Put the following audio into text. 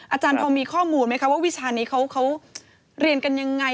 อาจารย์พอมีข้อมูลไหมคะว่าวิชานี้เขาเรียนกันยังไง